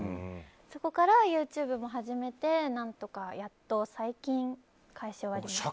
そこからＹｏｕＴｕｂｅも始めて何とかやっと最近返し終わりました。